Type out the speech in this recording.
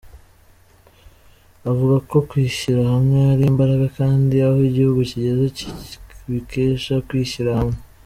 Avuga ko kwishyira hamwe ari imbaraga kandi aho igihugu kigeze kibikesha kwishyira hamwe.